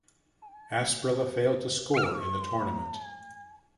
Asprilla failed to score in the tournament.